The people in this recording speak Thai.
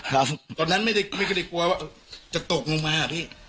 ตอนนั้นไม่ได้กลัวว่าจะตกลงมาพี่